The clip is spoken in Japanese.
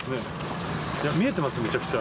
いや、見えてますよ、めちゃくちゃ。